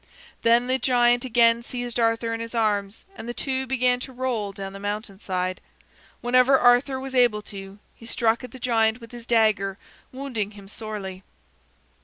Then the giant again seized Arthur in his arms, and the two began to roll down the mountain side. Whenever Arthur was able to, he struck at the giant with his dagger, wounding him sorely.